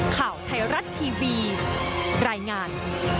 ข่าวไทยรัฐทีวีรายงาน